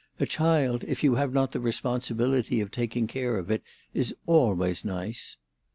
" A child, if you have not the responsibility of taking care of it, is always nice."